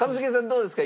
どうですか？